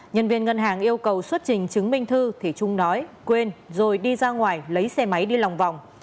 nhân viên ngân hàng yêu cầu xuất trình chứng minh thư thì trung nói quên rồi đi ra ngoài lấy xe máy đi lòng vòng